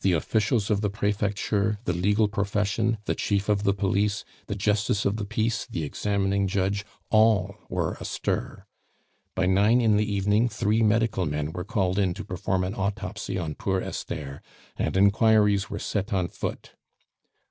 The officials of the prefecture, the legal profession, the chief of the police, the justice of the peace, the examining judge, all were astir. By nine in the evening three medical men were called in to perform an autopsy on poor Esther, and inquiries were set on foot.